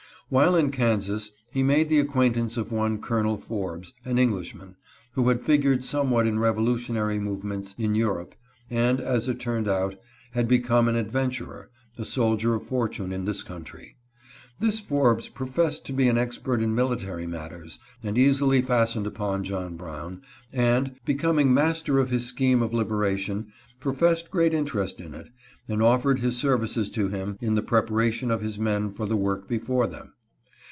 While in Kansas, he made the acquaintance of one Colonel Forbes, an Englishman, who had figured some what in revolutionary movements in Europe, and, as it turned out, had become an adventurer — a soldier of for tune in this country. This Forbes professed to be an expert in military matters, and easily fastened upon John Brown, and, becoming master of his scheme of liberation, professed great interest in it, and offered his services to him in the preparation of his men for the work before them.